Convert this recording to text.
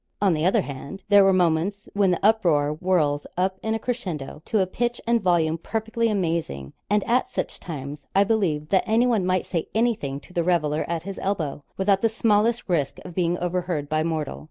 On the other hand, there are moments when the uproar whirls up in a crescendo to a pitch and volume perfectly amazing; and at such times, I believe that anyone might say anything to the reveller at his elbow, without the smallest risk of being overheard by mortal.